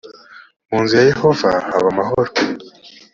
mu nzu ya yehova haba amahoro